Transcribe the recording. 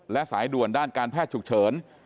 และสายด่วนด้านการแพทย์ฉุกเฉิน